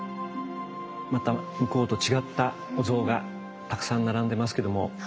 また向こうと違ったお像がたくさん並んでますけども。